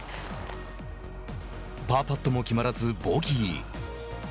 パーパットも決まらず、ボギー。